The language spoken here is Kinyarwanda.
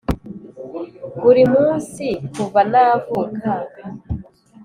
buri munsi kuva navuka,